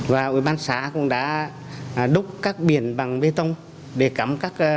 và ubx cũng đã đúc các biển bằng bê tông để cắm các tuyến đường